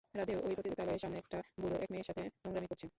রাধে, ওই পতিতালয়ের সামনে একটা বুড়ো এক মেয়ের সাথে নোংরামি করছে।